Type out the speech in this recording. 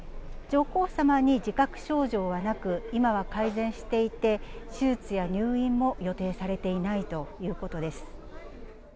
上皇さまに自覚症状はなく、今は改善していて、手術や入院も予定されていないということです。